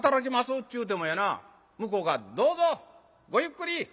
っちゅうてもやな向こうが『どうぞごゆっくり。